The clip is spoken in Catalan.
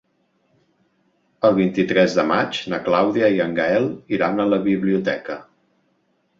El vint-i-tres de maig na Clàudia i en Gaël iran a la biblioteca.